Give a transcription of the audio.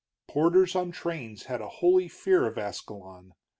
Porters on trains had a holy fear of Ascalon.